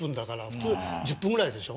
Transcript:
普通１０分ぐらいでしょ？